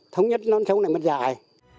thống nhất non sống này mới dài